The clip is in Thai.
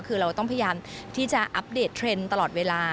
คือเราต้องพยายามที่จะอัปเดตเทรนด์ตลอดเวลา